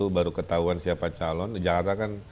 baru ketahuan siapa calon di jakarta kan